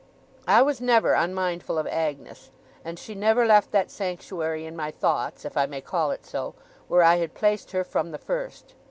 I was never unmindful of Agnes, and she never left that sanctuary in my thoughts if I may call it so where I had placed her from the first.